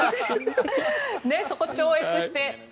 そこを超越して。